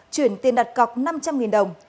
chuyển tiền đặt cọc năm trăm linh đồng